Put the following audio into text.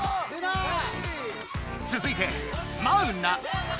つづいてマウナ。